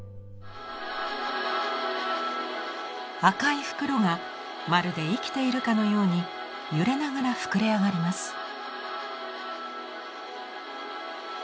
赤い袋がまるで生きているかのように揺れながら膨れ上がります。